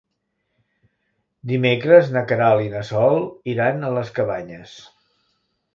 Dimecres na Queralt i na Sol iran a les Cabanyes.